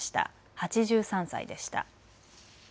８３歳でした。